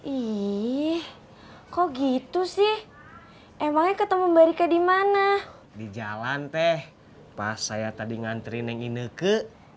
ih kok gitu sih emangnya ketemu mereka di mana di jalan teh pas saya tadi ngantri nengineke